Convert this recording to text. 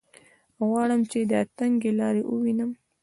غواړم چې دا تنګې لارې ووینم.